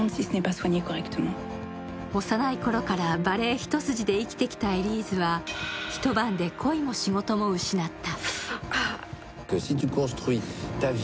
幼いころからバレエ一筋で生きてきたエリーズは一晩で恋も仕事も失った。